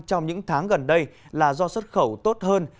trong những tháng gần đây là do xuất khẩu tốt hơn